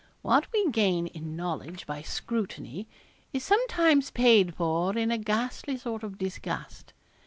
What we gain in knowledge by scrutiny is sometimes paid for in a ghastly sort of disgust.